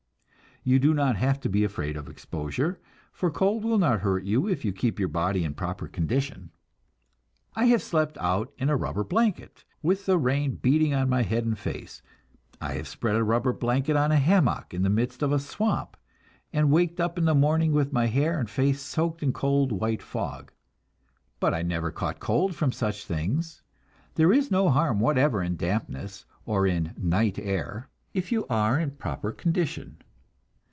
You do not have to be afraid of exposure, for cold will not hurt you if you keep your body in proper condition. I have slept out in a rubber blanket, with the rain beating on my head and face; I have spread a rubber blanket on a hummock in the midst of a swamp, and waked up in the morning with my hair and face soaked in cold, white fog, but I never caught cold from such things; there is no harm whatever in dampness or in "night air," if you are in proper condition.